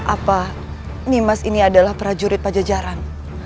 apa nimas ini adalah prajurit pajajaran